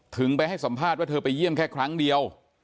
ไปให้สัมภาษณ์ว่าเธอไปเยี่ยมแค่ครั้งเดียว